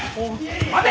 待て！